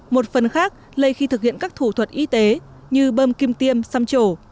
một phần khác là khi thực hiện các thủ thuật y tế như bơm kim tiêm xăm trổ